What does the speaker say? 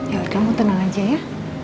ya kamu tenang aja ya